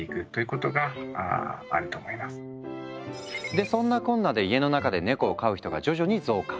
でそんなこんなで家の中でネコを飼う人が徐々に増加。